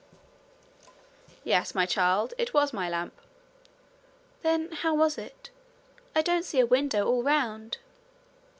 'Yes, my child it was my lamp.' 'Then how was it? I don't see a window all round.'